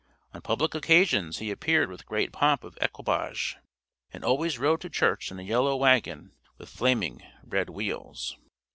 On public occasions he appeared with great pomp of equipage, and always rode to church in a yellow wagon with flaming red wheels.